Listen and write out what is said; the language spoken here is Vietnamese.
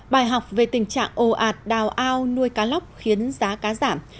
bài học về tình trạng ồ ạt đào ao nuôi cá lóc khiến giá cá giảm